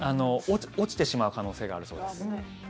落ちてしまう可能性があるそうです。